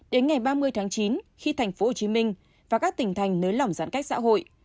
đến ngày ba mươi tháng chín khi thành phố hồ chí minh và các tỉnh thành nới lỏng giãn cách xã hội